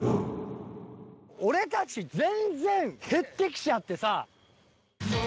俺たち全然減って来ちゃってさ。